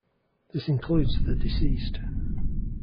This includes the deceased.